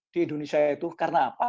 di indonesia itu karena apa